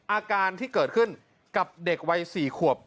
อาการที่เกิดขึ้นกับเด็กวัย๔ขวบ